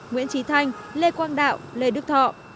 nguyễn trí thanh lê quang đạo lê đức thọ